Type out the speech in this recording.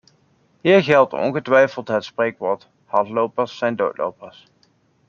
Hier geldt ongetwijfeld het spreekwoord: hardlopers zijn doodlopers.